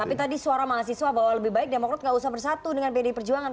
tapi tadi suara mahasiswa bahwa lebih baik demokrat nggak usah bersatu dengan pdi perjuangan